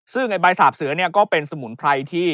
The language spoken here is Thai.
ซึ่งใบสาบเสือเนี่ยก็เป็นสมุนไพรที่